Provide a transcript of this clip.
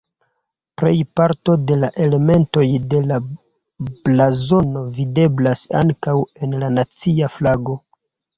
Plejparto de la elementoj de la blazono videblas ankaŭ en la nacia flago.